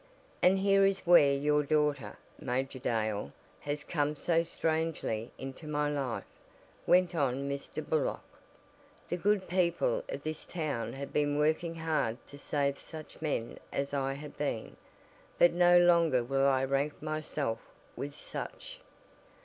"And here is where your daughter, Major Dale, has come so strangely into my life," went on Mr. Burlock. "The good people of this town have been working hard to save such men as I have been but no longer will I rank myself with such.